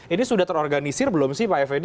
ini sudah terorganisir belum sih pak effendi